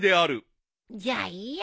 じゃあいいや。